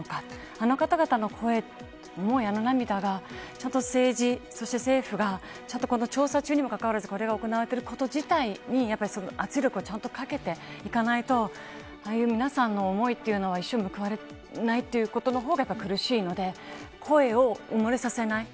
あの方々の声や思いや涙が政治、そして政府が調査中にもかかわらずこれが行われていること自体に圧力をかけていかないと皆さんの思いは一生報われないことの方が苦しいので声を埋もれさせない。